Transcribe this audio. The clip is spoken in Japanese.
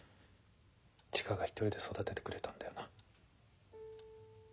千佳が一人で育ててくれたんだよな。